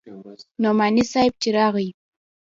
نعماني صاحب چې راغى.